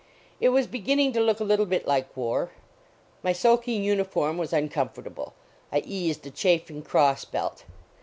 It was beginning to look a little hit like war. My soaking uniform was uncomfortable; I eased a chafing cross belt.